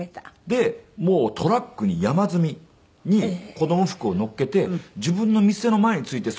でもうトラックに山積みに子供服を載っけて自分の店の前に着いて。